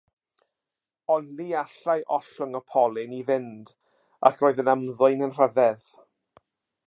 Ond ni allai ollwng y polyn i fynd, ac roedd yn ymddwyn yn rhyfedd.